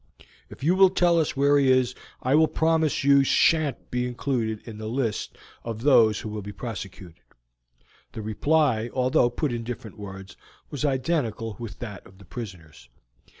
If you will tell us where he is, I will promise that you shan't be included in the list of those who will be prosecuted." The reply, although put in different words, was identical with that of the prisoners.